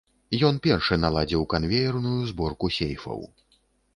Ён першы наладзіў канвеерную зборку сейфаў.